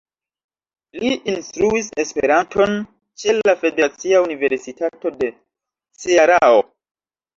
Li instruis Esperanton ĉe la Federacia Universitato de Cearao.